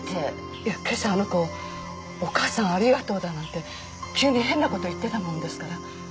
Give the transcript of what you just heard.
いやけさあの子「お母さんありがとう」だなんて急に変なこと言ってたもんですから。